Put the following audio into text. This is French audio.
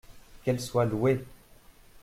Qu’elle soit louée.